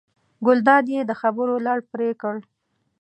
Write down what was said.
ګلداد یې د خبرو لړ پرې کړ.